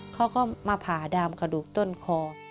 เขาก็มาผ่าดามกระดูกต้นคอ